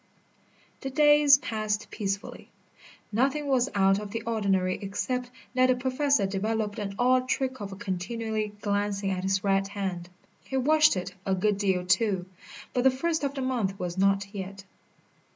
The days passed peacefully. Nothing was out of the ordinary except that the Professor developed an odd trick of continually glancing at his right hand. He washed it a good deal, too. But the first of the month was not yet.